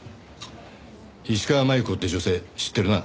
石川真悠子って女性知ってるな？